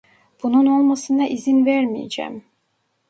Bunun olmasına izin vermeyeceğim.